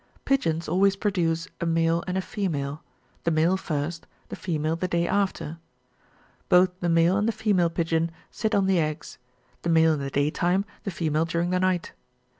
Pigeons always produce a male and a female ; the male first, the female the day after. Both tlie male and the female pigeon sit on the eggs ; the male in the day time, the female during the night.